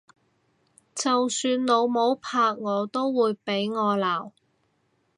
就算老母拍我都會俾我鬧！